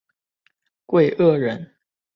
桂萼人。